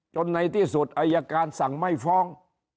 ในที่สุดอายการสั่งไม่ฟ้อง